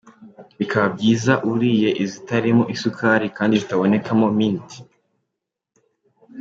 Bikaba byiza uriye izitarimo isukari kandi zitabonekamo mint.